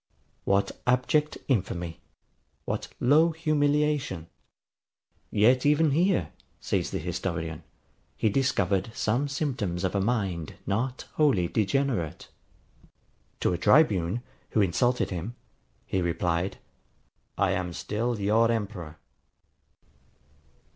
What abject infamy! What low humiliation! Yet even here, says the historian, he discovered some symptoms of a mind not wholly degenerate. To a tribune, who insulted him, he replied, I AM STILL YOUR EMPEROR.